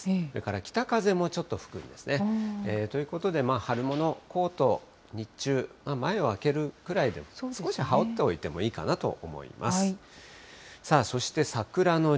それから北風もちょっと吹くんですね。ということで、春物コート、日中、前を開けるくらいで、少し羽織っておいてもいいかなと思います。